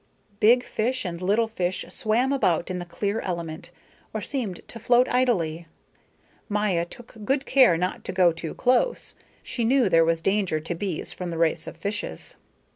Big fish and little fish swam about in the clear element, or seemed to float idly. Maya took good care not to go too close; she knew there was danger to bees from the race of fishes.